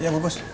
iya bu bos